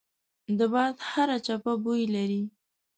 د باد هره چپه بوی لري